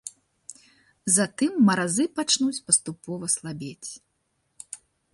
Затым маразы пачнуць паступова слабець.